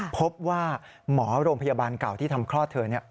พบว่าหมอโรงพยาบาลเก่าที่ทำคลอดเธอ